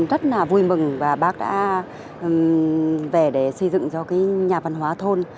rất là vui mừng và bác đã về để xây dựng cho nhà văn hóa thôn